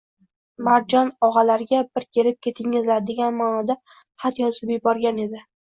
Marjon og‘alariga bir kelib ketingizlar degan ma’noda xat yozib yuborgan edi